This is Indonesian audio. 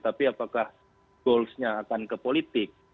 tapi apakah goals nya akan ke politik